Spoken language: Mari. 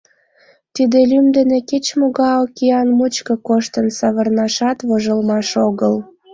Тиде лӱм дене кеч-могай океан мучко коштын савырнашат вожылмаш огыл!